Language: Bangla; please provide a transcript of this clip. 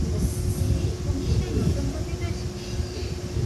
তুমি সেই নতুন প্রতিবেশী?